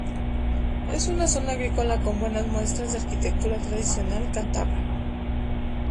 Es una zona agrícola con buenas muestras de arquitectura tradicional cántabra.